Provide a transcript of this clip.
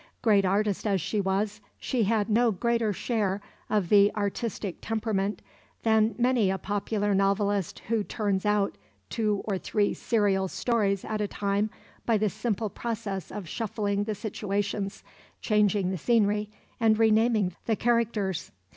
Great artist as she was, she had no greater share of the "artistic temperament" than many a popular novelist who "turns out" two or three serial stories at a time by the simple process of shuffling the situations, changing the scenery, and re naming the characters.